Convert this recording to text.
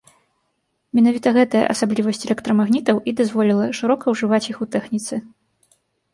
Менавіта гэтая асаблівасць электрамагнітаў і дазволіла шырока ўжываць іх у тэхніцы.